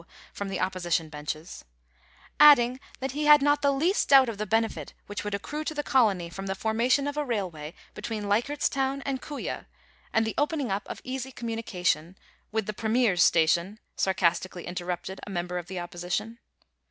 from the Opposition benches) — adding, that he had not the least doubt of the benefit which would accrue to the colony from the formation of a railway between Leichardt's Town and Kooya, and the opening up of easy communication *With the Premier's station,' sarcastically interrupted a member of the Opposition.